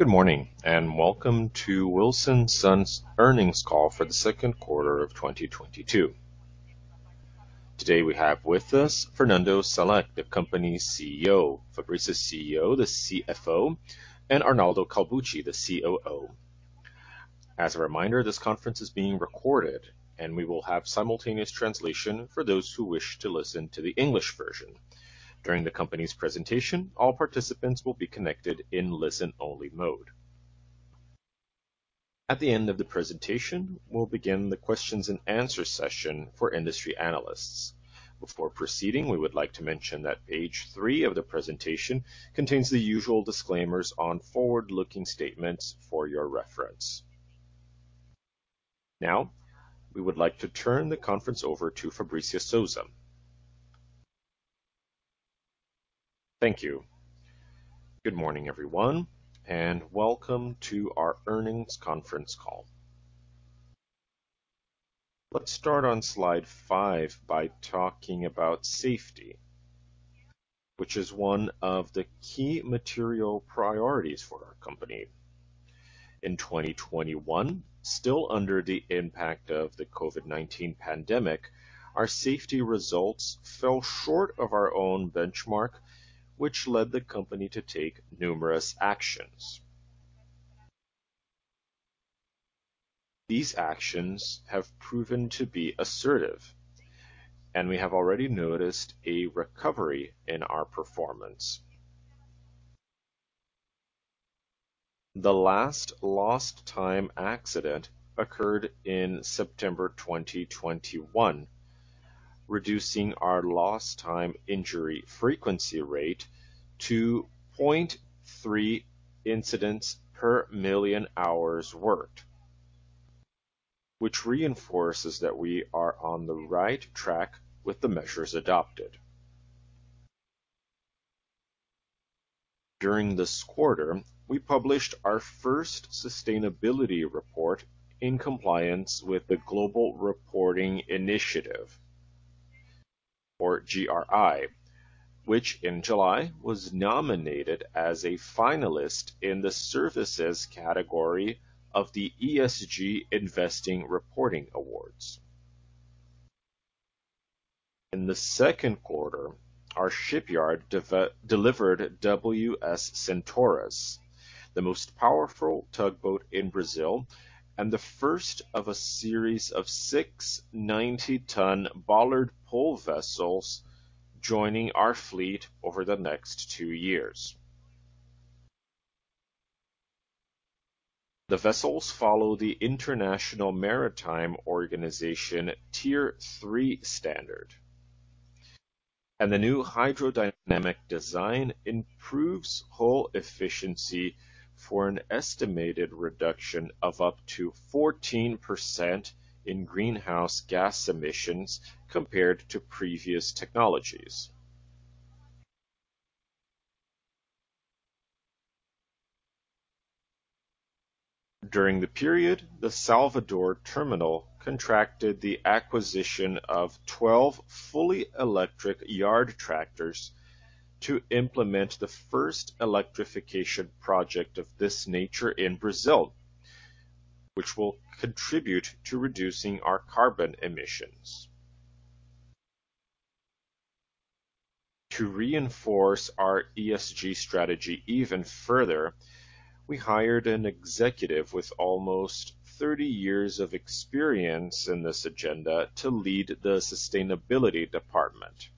Good morning, and welcome to Wilson Sons' Earnings Call for the Second Quarter of 2022. Today we have with us Fernando Salek, the company's CEO, Fabricia Souza, the CFO, and Arnaldo Calbucci, the COO. As a reminder, this conference is being recorded, and we will have simultaneous translation for those who wish to listen to the English version. During the company's presentation, all participants will be connected in listen-only mode. At the end of the presentation, we'll begin the questions and answer session for industry analysts. Before proceeding, we would like to mention that page three of the presentation contains the usual disclaimers on forward-looking statements for your reference. Now, we would like to turn the conference over to Fabricia Souza. Thank you. Good morning, everyone, and welcome to our earnings conference call. Let's start on slide five by talking about safety, which is one of the key material priorities for our company. In 2021, still under the impact of the COVID-19 pandemic, our safety results fell short of our own benchmark, which led the company to take numerous actions. These actions have proven to be assertive, and we have already noticed a recovery in our performance. The last lost time accident occurred in September 2021, reducing our lost time injury frequency rate to 0.3 incidents per million hours worked, which reinforces that we are on the right track with the measures adopted. During this quarter, we published our first sustainability report in compliance with the Global Reporting Initiative, or GRI, which in July was nominated as a finalist in the services category of the ESG Investing Reporting Awards. In the second quarter, our shipyard delivered WS Centaurus, the most powerful tugboat in Brazil and the first of a series of 6 90-ton bollard pull vessels joining our fleet over the next two years. The vessels follow the International Maritime Organization Tier 3 standard, and the new hydrodynamic design improves hull efficiency for an estimated reduction of up to 14% in greenhouse gas emissions compared to previous technologies. During the period, the Salvador terminal contracted the acquisition of 12 fully electric yard tractors to implement the first electrification project of this nature in Brazil, which will contribute to reducing our carbon emissions. To reinforce our ESG strategy even further, we hired an executive with almost 30 years of experience in this agenda to lead the sustainability department.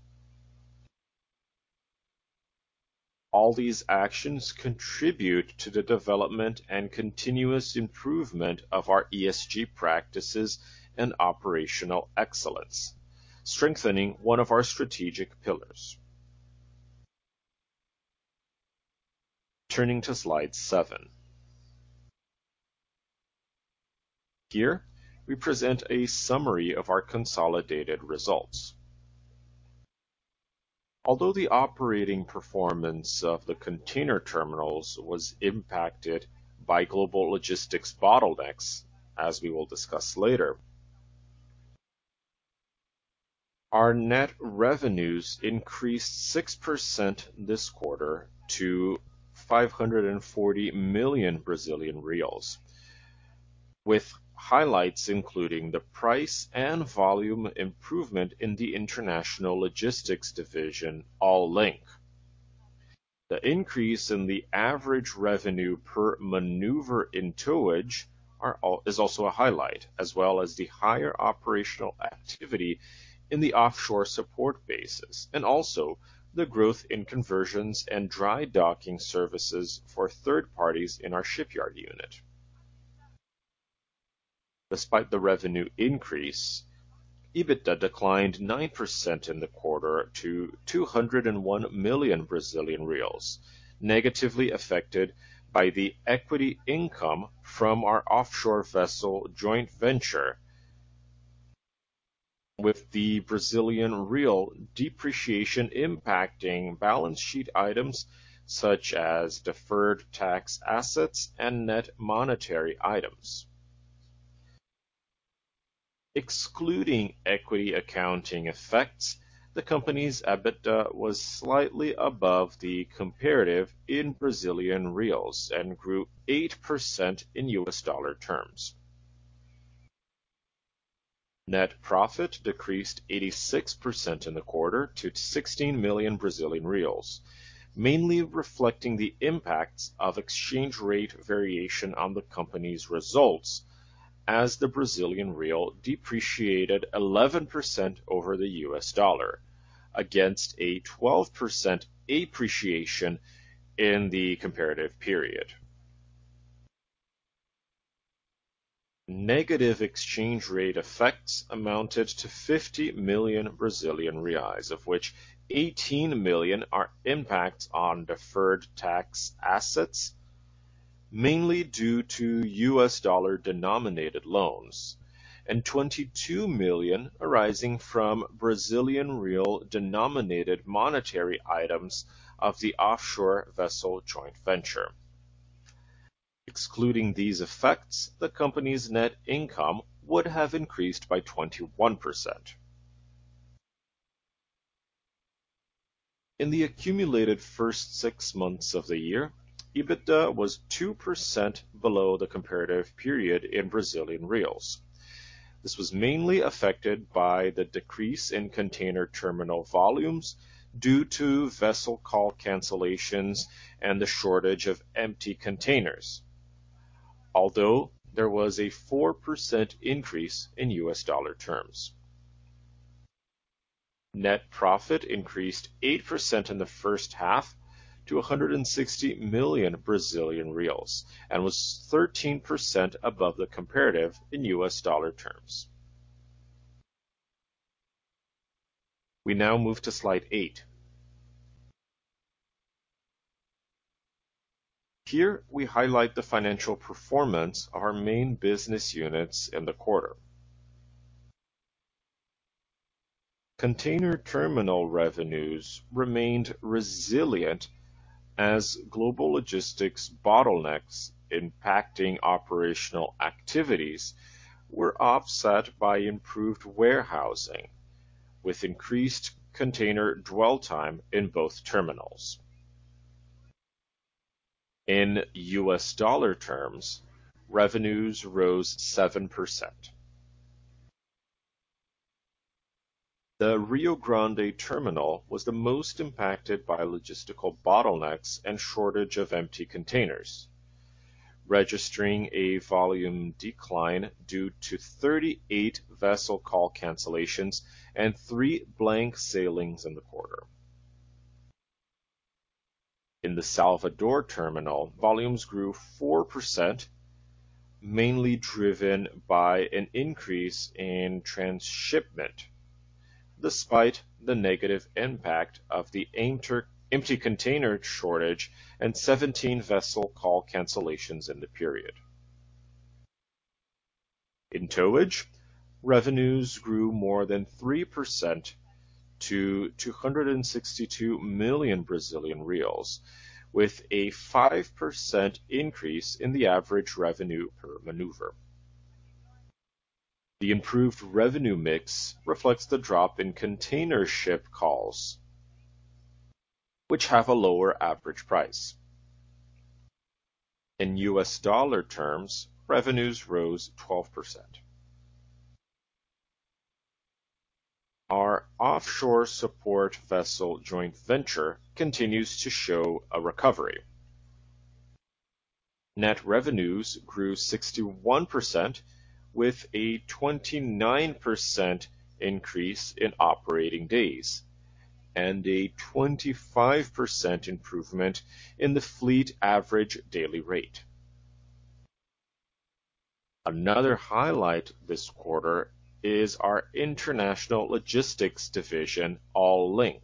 All these actions contribute to the development and continuous improvement of our ESG practices and operational excellence, strengthening one of our strategic pillars. Turning to slide seven. Here, we present a summary of our consolidated results. Although the operating performance of the container terminals was impacted by global logistics bottlenecks, as we will discuss later, our net revenues increased 6% this quarter to 540 million Brazilian reais, with highlights including the price and volume improvement in the International Logistics Division, Allink. The increase in the average revenue per maneuver in towage is also a highlight, as well as the higher operational activity in the offshore support bases, and also the growth in conversions and dry docking services for third parties in our shipyard unit. Despite the revenue increase, EBITDA declined 9% in the quarter to 201 million Brazilian reais, negatively affected by the equity income from our offshore vessel joint venture, with the Brazilian real depreciation impacting balance sheet items such as deferred tax assets and net monetary items. Excluding equity accounting effects, the company's EBITDA was slightly above the comparative in Brazilian reals and grew 8% in US dollar terms. Net profit decreased 86% in the quarter to 16 million Brazilian reais, mainly reflecting the impacts of exchange rate variation on the company's results as the Brazilian real depreciated 11% over the US dollar against a 12% appreciation in the comparative period. Negative exchange rate effects amounted to 50 million Brazilian reais, of which 18 million are impacts on deferred tax assets, mainly due to US dollar-denominated loans, and 22 million arising from Brazilian real-denominated monetary items of the offshore vessel joint venture. Excluding these effects, the company's net income would have increased by 21%. In the accumulated first six months of the year, EBITDA was 2% below the comparative period in Brazilian reais. This was mainly affected by the decrease in container terminal volumes due to vessel call cancellations and the shortage of empty containers. Although there was a 4% increase in US dollar terms. Net profit increased 8% in the first half to 160 million Brazilian reais and was 13% above the comparative in US dollar terms. We now move to slide eight. Here we highlight the financial performance of our main business units in the quarter. Container terminal revenues remained resilient as global logistics bottlenecks impacting operational activities were offset by improved warehousing with increased container dwell time in both terminals. In US dollar terms, revenues rose 7%. The Rio Grande Terminal was the most impacted by logistical bottlenecks and shortage of empty containers, registering a volume decline due to 38 vessel call cancellations and three blank sailings in the quarter. In the Salvador Terminal, volumes grew 4%, mainly driven by an increase in transshipment, despite the negative impact of the empty container shortage and 17 vessel call cancellations in the period. In towage, revenues grew more than 3% to 262 million Brazilian reais, with a 5% increase in the average revenue per maneuver. The improved revenue mix reflects the drop in container ship calls, which have a lower average price. In US dollar terms, revenues rose 12%. Our offshore support vessel joint venture continues to show a recovery. Net revenues grew 61% with a 29% increase in operating days and a 25% improvement in the fleet average daily rate. Another highlight this quarter is our International Logistics Division, Allink,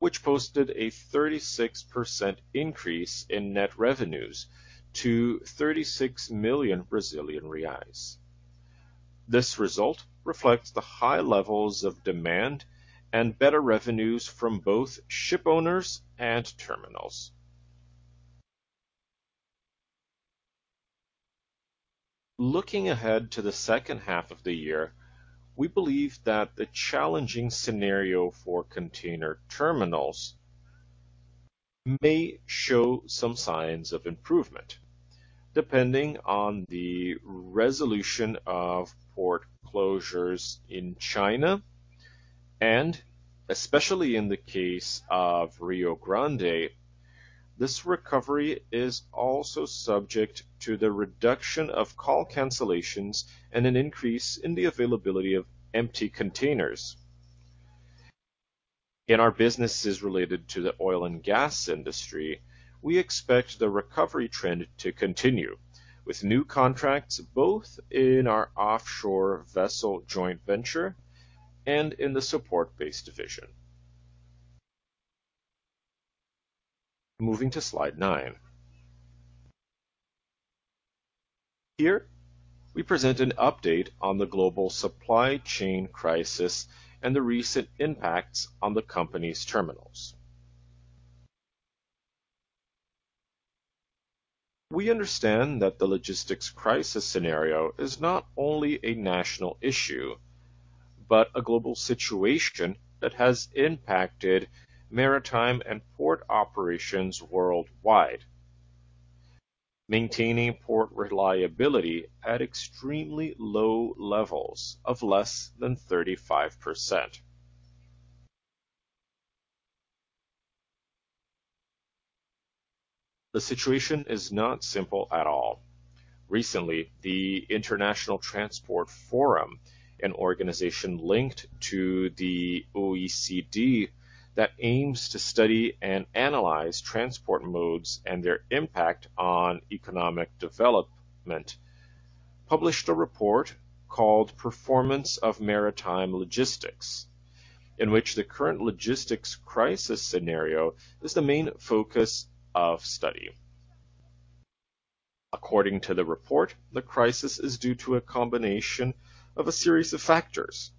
which posted a 36% increase in net revenues to 36 million Brazilian reais. This result reflects the high levels of demand and better revenues from both shipowners and terminals. Looking ahead to the second half of the year, we believe that the challenging scenario for container terminals may show some signs of improvement depending on the resolution of port closures in China, especially in the case of Rio Grande. This recovery is also subject to the reduction of call cancellations and an increase in the availability of empty containers. In our businesses related to the oil and gas industry, we expect the recovery trend to continue with new contracts, both in our offshore vessel joint venture and in the support-based division. Moving to slide nine. Here we present an update on the global supply chain crisis and the recent impacts on the company's terminals. We understand that the logistics crisis scenario is not only a national issue, but a global situation that has impacted maritime and port operations worldwide, maintaining port reliability at extremely low levels of less than 35%. The situation is not simple at all. Recently, the International Transport Forum, an organization linked to the OECD that aims to study and analyze transport modes and their impact on economic development, published a report called Performance of Maritime Logistics, in which the current logistics crisis scenario is the main focus of study. According to the report, the crisis is due to a combination of a series of factors,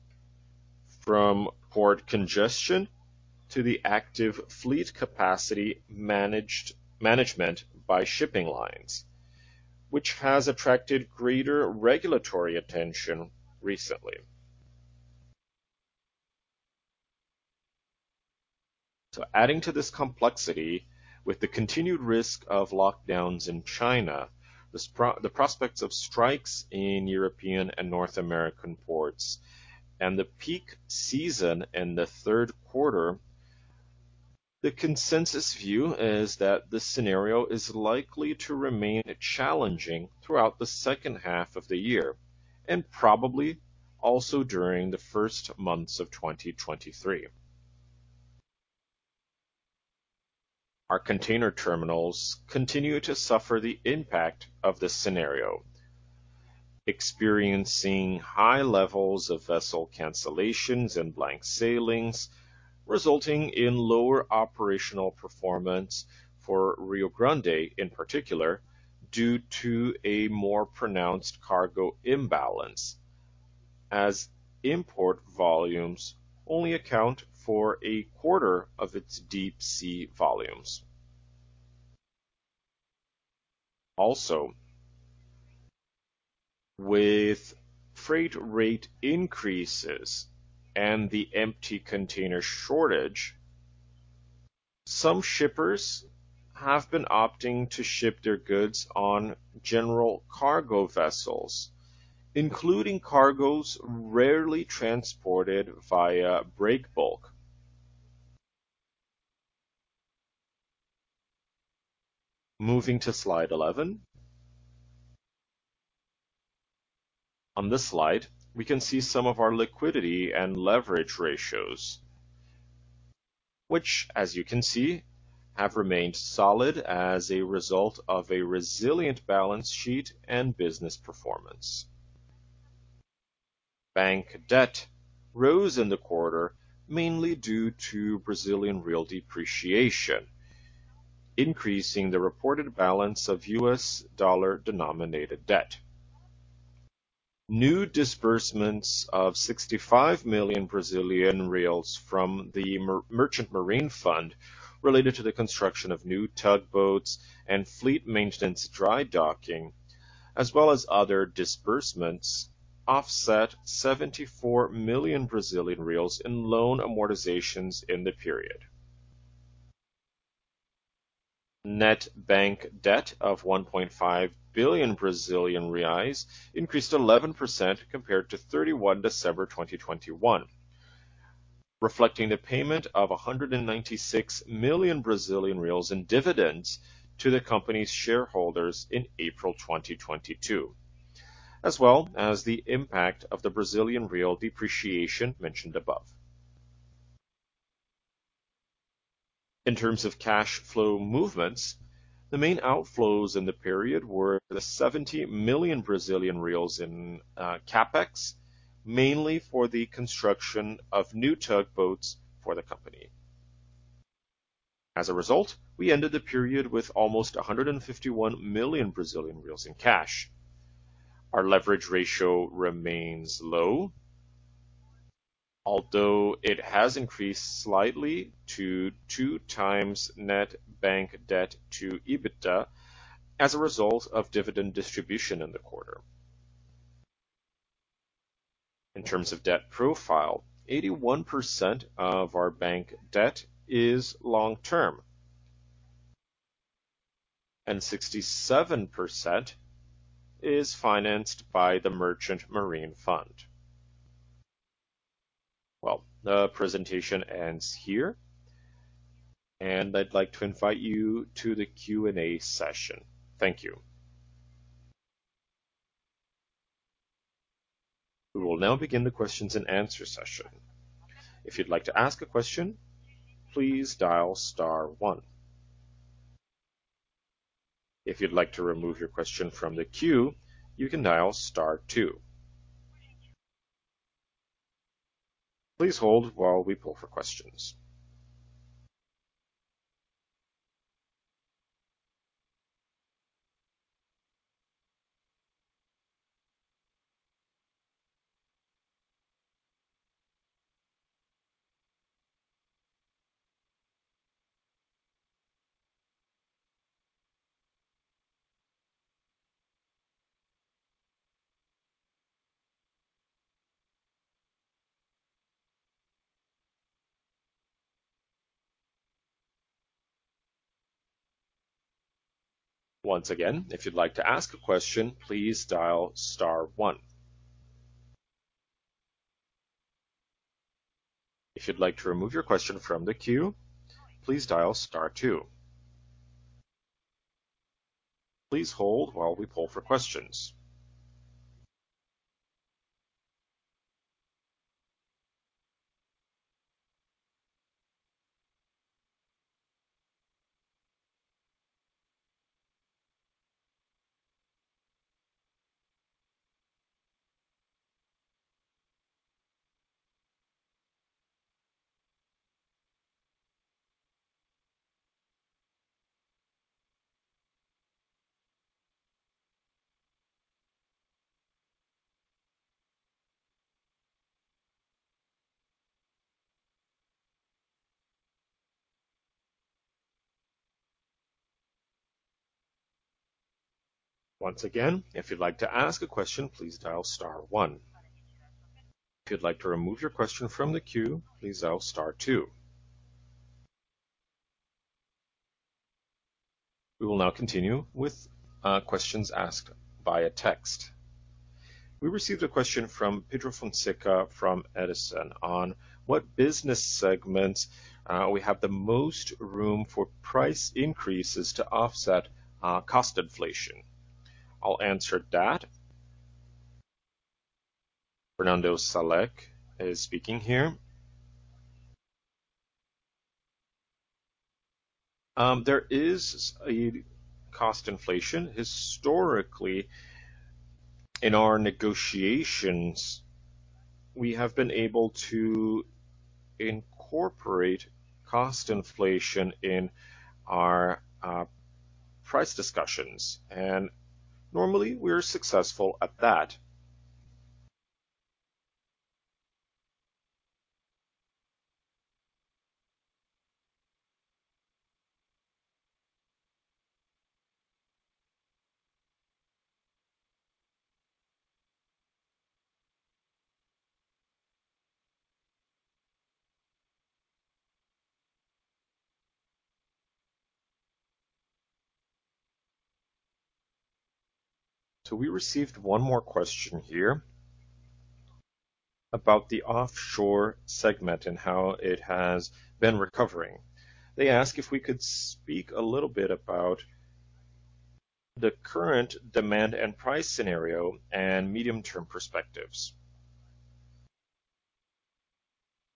from port congestion to the active fleet capacity management by shipping lines, which has attracted greater regulatory attention recently. Adding to this complexity, with the continued risk of lockdowns in China, the prospects of strikes in European and North American ports, and the peak season in the third quarter, the consensus view is that this scenario is likely to remain challenging throughout the second half of the year, and probably also during the first months of 2023. Our container terminals continue to suffer the impact of this scenario, experiencing high levels of vessel cancellations and blank sailings, resulting in lower operational performance for Rio Grande in particular, due to a more pronounced cargo imbalance, as import volumes only account for a quarter of its deep-sea volumes. Also, with freight rate increases and the empty container shortage, some shippers have been opting to ship their goods on general cargo vessels, including cargoes rarely transported via breakbulk. Moving to slide 11. On this slide, we can see some of our liquidity and leverage ratios, which as you can see, have remained solid as a result of a resilient balance sheet and business performance. Bank debt rose in the quarter mainly due to Brazilian real depreciation, increasing the reported balance of US dollar-denominated debt. New disbursements of 65 million Brazilian reais from the Merchant Marine Fund related to the construction of new tugboats and fleet maintenance dry docking, as well as other disbursements, offset 74 million Brazilian reais in loan amortizations in the period. Net bank debt of 1.5 billion Brazilian reais increased 11% compared to 31st December 2021, reflecting the payment of 196 million Brazilian reais in dividends to the company's shareholders in April 2022, as well as the impact of the Brazilian real depreciation mentioned above. In terms of cash flow movements, the main outflows in the period were the 70 million Brazilian reais in CapEx, mainly for the construction of new tugboats for the company. As a result, we ended the period with almost 151 million Brazilian reais in cash. Our leverage ratio remains low, although it has increased slightly to 2x net bank debt to EBITDA as a result of dividend distribution in the quarter. In terms of debt profile, 81% of our bank debt is long-term, and 67% is financed by the Merchant Marine Fund. Well, the presentation ends here, and I'd like to invite you to the Q&A session. Thank you. We will now begin the questions and answer session. If you'd like to ask a question, please dial star one. If you'd like to remove your question from the queue, you can dial star two. Please hold while we poll for questions. Once again, if you'd like to ask a question, please dial star one. If you'd like to remove your question from the queue, please dial star two. Please hold while we poll for questions. Once again, if you'd like to ask a question, please dial star one. If you'd like to remove your question from the queue, please dial star two. We will now continue with questions asked via text. We received a question from Pedro Fonseca from Edison on what business segments we have the most room for price increases to offset cost inflation. I'll answer that. Fernando Salek is speaking here. There is a cost inflation. Historically in our negotiations, we have been able to incorporate cost inflation in our price discussions, and normally we're successful at that. We received one more question here about the Offshore segment and how it has been recovering. They ask if we could speak a little bit about the current demand and price scenario and medium-term perspectives.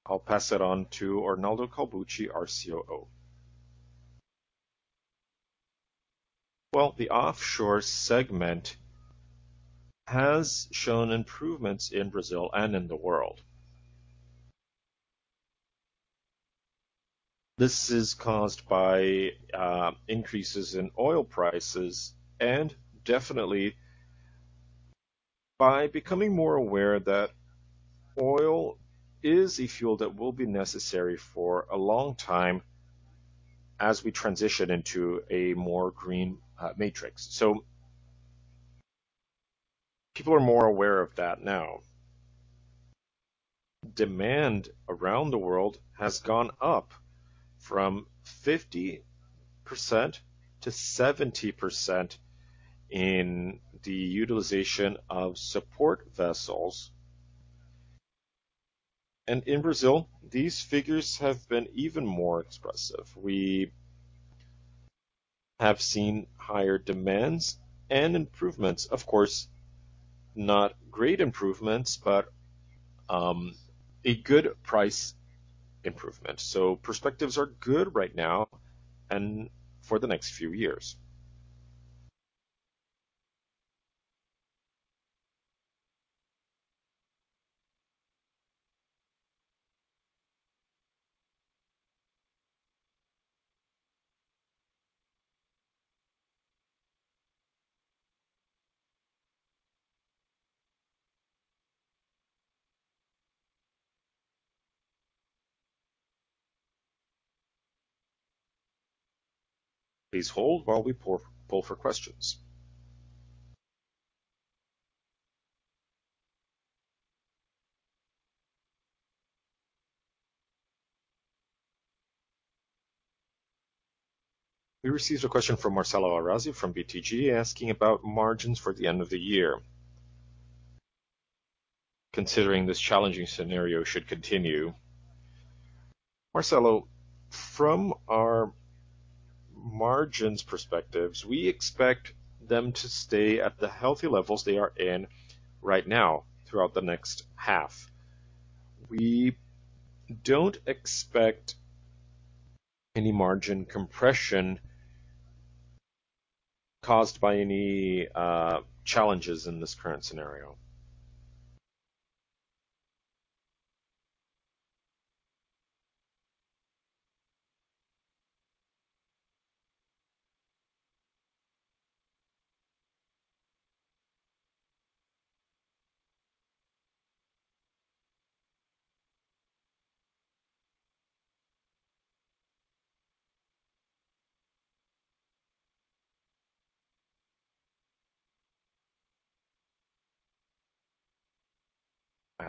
I'll pass it on to Arnaldo Calbucci, our COO. Well, the Offshore segment has shown improvements in Brazil and in the world. This is caused by increases in oil prices and definitely by becoming more aware that oil is a fuel that will be necessary for a long time as we transition into a more green matrix. People are more aware of that now. Demand around the world has gone up from 50%-70% in the utilization of support vessels. In Brazil, these figures have been even more expressive. We have seen higher demands and improvements. Of course, not great improvements, but a good price improvement. Perspectives are good right now and for the next few years. Please hold while we poll for questions. We received a question from Marcelo Arazi from BTG Pactual asking about margins for the end of the year, considering this challenging scenario should continue. Marcelo, from our margins perspectives, we expect them to stay at the healthy levels they are in right now throughout the next half. We don't expect any margin compression caused by any challenges in this current scenario.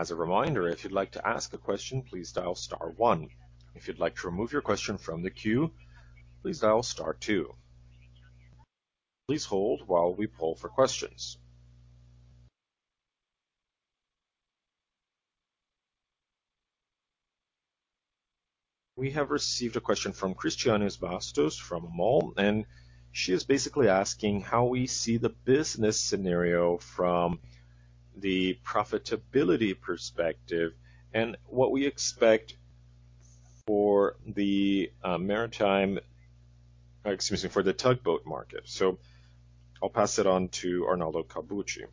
As a reminder, if you'd like to ask a question, please dial star one. If you'd like to remove your question from the queue, please dial star two. Please hold while we poll for questions. We have received a question from Cristiane Bastos from Modal, and she is basically asking how we see the business scenario from the profitability perspective and what we expect for the tugboat market. I'll pass it on to Arnaldo Calbucci.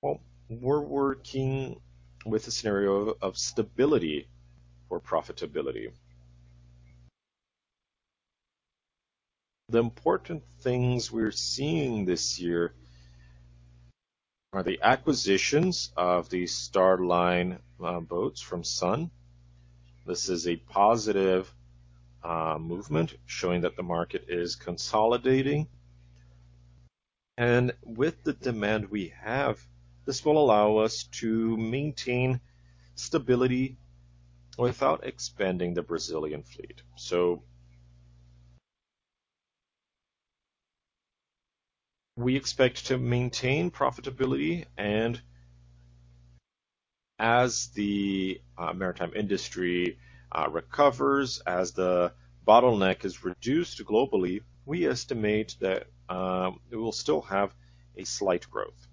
Well, we're working with a scenario of stability for profitability. The important things we're seeing this year are the acquisitions of the Starnav boats by SAAM. This is a positive movement showing that the market is consolidating. With the demand we have, this will allow us to maintain stability without expanding the Brazilian fleet. We expect to maintain profitability and as the maritime industry recovers, as the bottleneck is reduced globally, we estimate that it will still have a slight growth.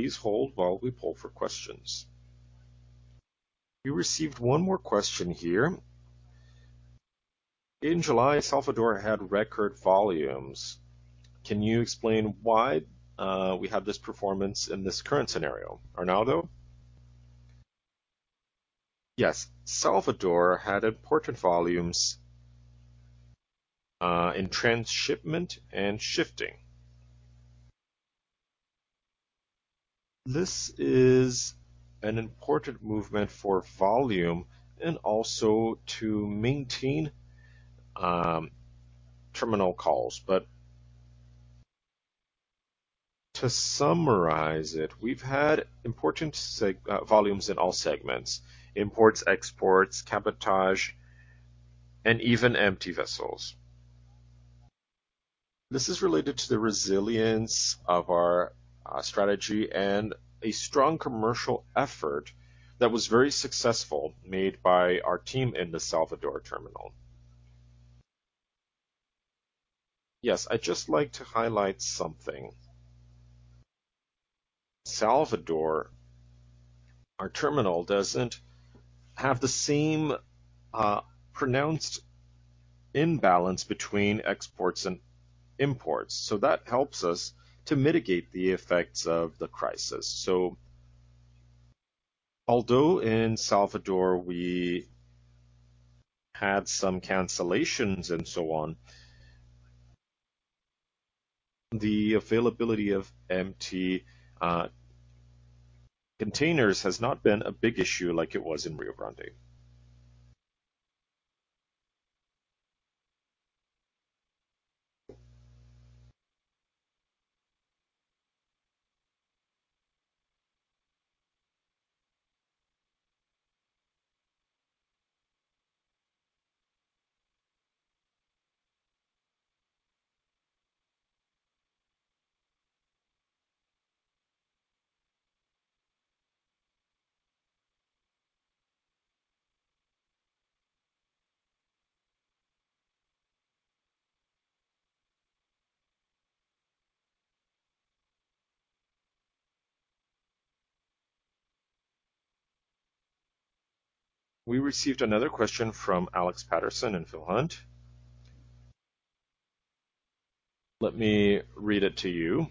Please hold while we poll for questions. We received one more question here. In July, Salvador had record volumes. Can you explain why we have this performance in this current scenario? Arnaldo? Yes. Salvador had important volumes in transshipment and shipping. This is an important movement for volume and also to maintain terminal calls. To summarize it, we've had important volumes in all segments: imports, exports, cabotage, and even empty vessels. This is related to the resilience of our strategy and a strong commercial effort that was very successful made by our team in the Salvador terminal. Yes. I'd just like to highlight something. Salvador, our terminal, doesn't have the same pronounced imbalance between exports and imports, so that helps us to mitigate the effects of the crisis. Although in Salvador we had some cancellations and so on, the availability of empty containers has not been a big issue like it was in Rio Grande. We received another question from Alex Paterson and Peel Hunt. Let me read it to you.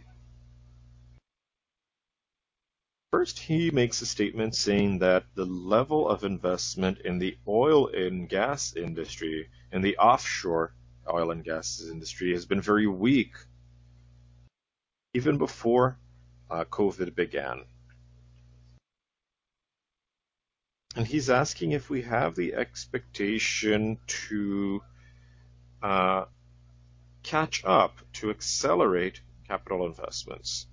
First, he makes a statement saying that the level of investment in the oil and gas industry, in the offshore oil and gas industry, has been very weak even before COVID began. And he's asking if we have the expectation to catch up to accelerate capital investments.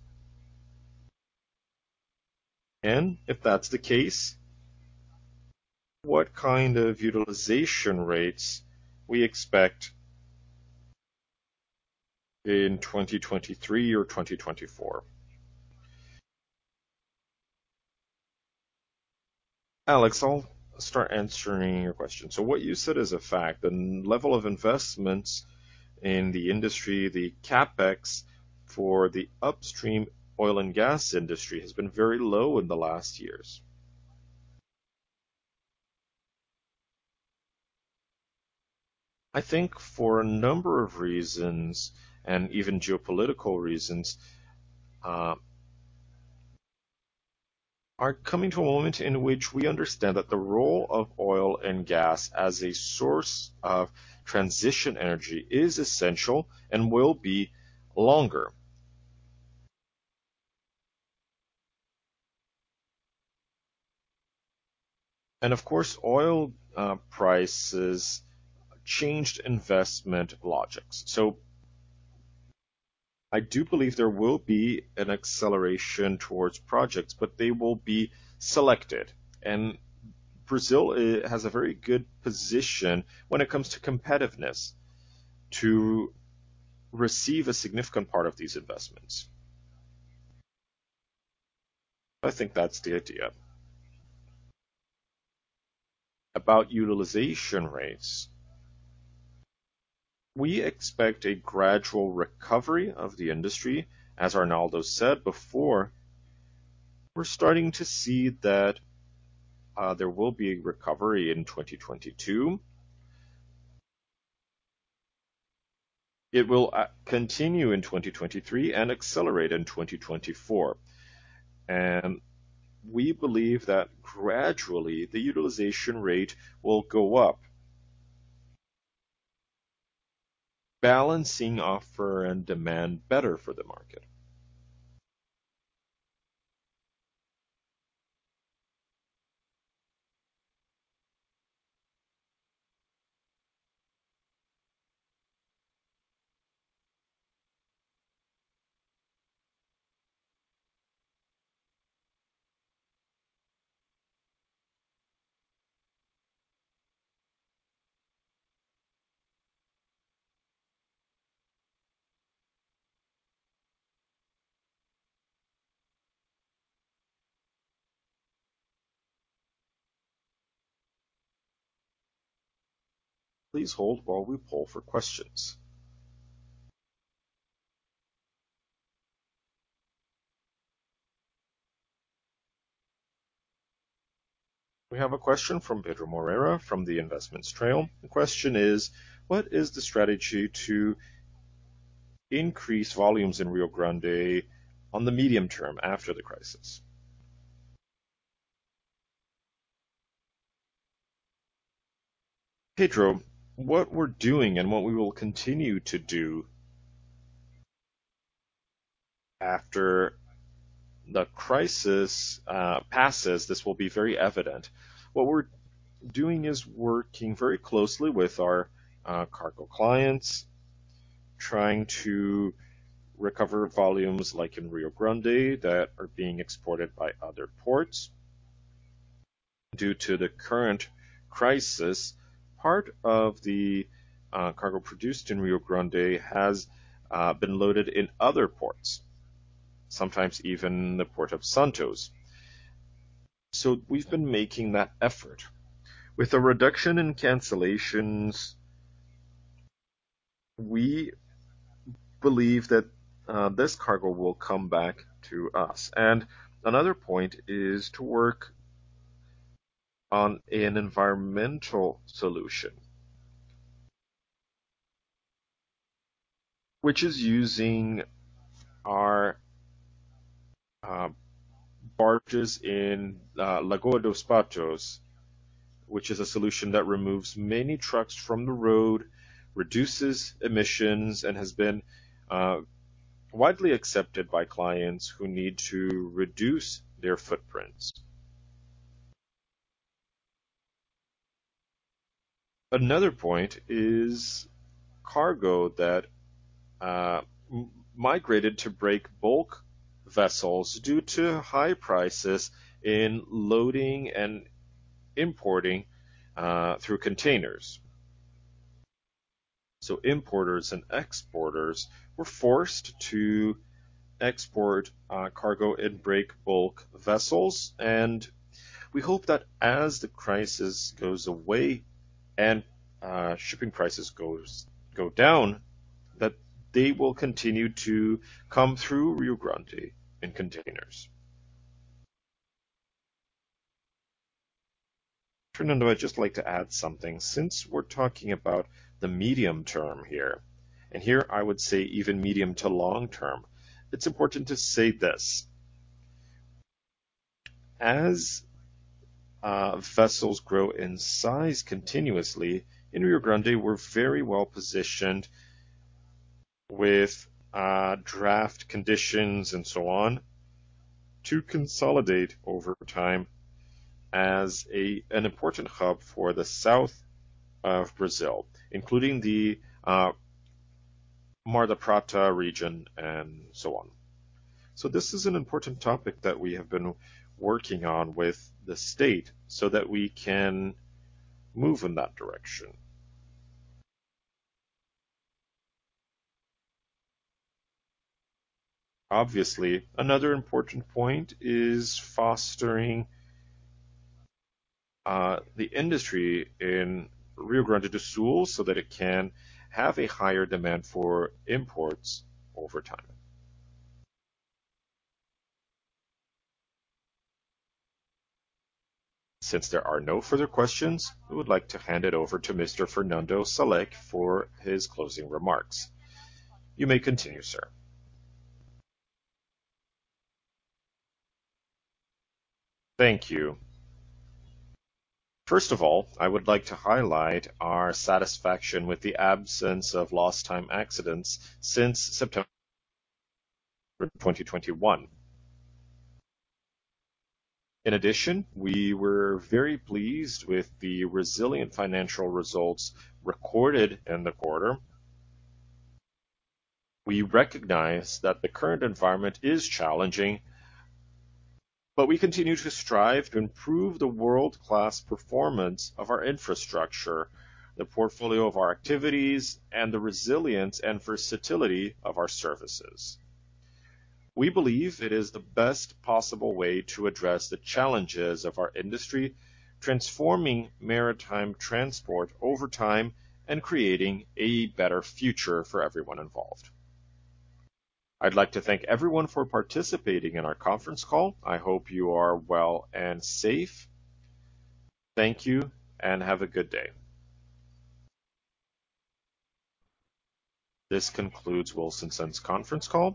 And if that's the case, what kind of utilization rates we expect in 2023 or 2024? Alex, I'll start answering your question. What you said is a fact. The level of investment in the industry, the CapEx for the upstream oil and gas industry has been very low in the last years. I think for a number of reasons, and even geopolitical reasons, are coming to a moment in which we understand that the role of oil and gas as a source of transition energy is essential and will be longer. Of course, oil prices changed investment logics. I do believe there will be an acceleration towards projects, but they will be selected. Brazil has a very good position when it comes to competitiveness to receive a significant part of these investments. I think that's the idea. About utilization rates, we expect a gradual recovery of the industry. As Arnaldo said before, we're starting to see that there will be a recovery in 2022. It will continue in 2023 and accelerate in 2024. We believe that gradually the utilization rate will go up, balancing offer and demand better for the market. Please hold while we poll for questions. We have a question from Pedro Moreira from The Investment Trail. The question is: What is the strategy to increase volumes in Rio Grande on the medium term after the crisis? Pedro, what we're doing and what we will continue to do after the crisis passes, this will be very evident. What we're doing is working very closely with our cargo clients, trying to recover volumes like in Rio Grande that are being exported by other ports. Due to the current crisis, part of the cargo produced in Rio Grande has been loaded in other ports, sometimes even the port of Santos. We've been making that effort. With a reduction in cancellations, we believe that this cargo will come back to us. Another point is to work on an environmental solution, which is using our barges in Lagoa dos Patos, which is a solution that removes many trucks from the road, reduces emissions, and has been widely accepted by clients who need to reduce their footprints. Another point is cargo that migrated to break bulk vessels due to high prices in loading and importing through containers. Importers and exporters were forced to export cargo in break bulk vessels, and we hope that as the crisis goes away and shipping prices go down, that they will continue to come through Rio Grande in containers. Fernando, I'd just like to add something since we're talking about the medium term here, and here I would say even medium to long term. It's important to say this: As vessels grow in size continuously, in Rio Grande, we're very well-positioned with draft conditions and so on to consolidate over time as an important hub for the south of Brazil, including the Mar del Plata region and so on. This is an important topic that we have been working on with the state so that we can move in that direction. Obviously, another important point is fostering the industry in Rio Grande do Sul so that it can have a higher demand for imports over time. Since there are no further questions, we would like to hand it over to Mr. Fernando Salek for his closing remarks. You may continue, sir. Thank you. First of all, I would like to highlight our satisfaction with the absence of lost time accidents since September 2021. In addition, we were very pleased with the resilient financial results recorded in the quarter. We recognize that the current environment is challenging, but we continue to strive to improve the world-class performance of our infrastructure, the portfolio of our activities, and the resilience and versatility of our services. We believe it is the best possible way to address the challenges of our industry, transforming maritime transport over time and creating a better future for everyone involved. I'd like to thank everyone for participating in our conference call. I hope you are well and safe. Thank you, and have a good day. This concludes Wilson Sons' conference call.